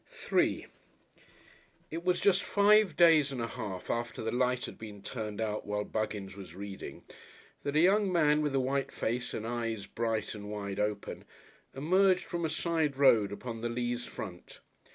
§3 It was just five days and a half after the light had been turned out while Buggins was reading, that a young man with a white face and eyes bright and wide open, emerged from a side road upon the Leas front.